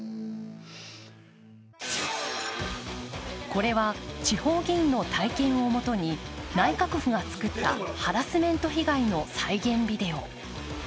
これは地方議員の体験をもとに内閣府が作ったハラスメント被害の再現ビデオ。